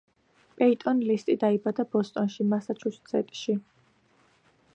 პეიტონ ლისტი დაიბადა ბოსტონში, მასაჩუსეტში.